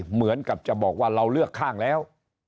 เหมือนกับจะบอกว่าเราเลือกข้างแล้ว